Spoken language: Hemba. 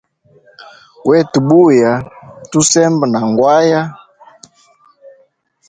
Wetu buya tusembe na ngwaya.